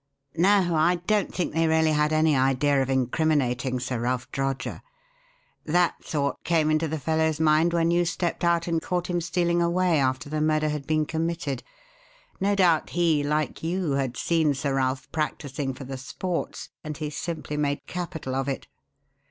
No, I don't think they really had any idea of incriminating Sir Ralph Droger. That thought came into the fellow's mind when you stepped out and caught him stealing away after the murder had been committed. No doubt he, like you, had seen Sir Ralph practising for the sports, and he simply made capital of it.